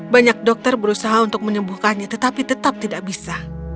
banyak dokter berusaha untuk menyembuhkannya tetapi tetap tidak bisa